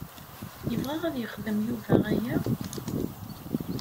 Yebɣa ad yexdem Yuba aya?